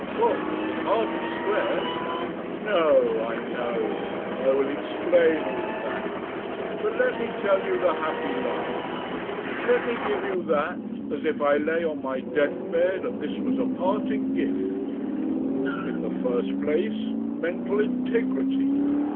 "Well, it hardly squares " "No. I know. I will explain all that. But let me tell you the happy life. Let me give you that, as if I lay on my deathbed and this was a parting gift. In the first place, mental integrity.